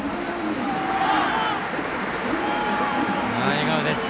笑顔です。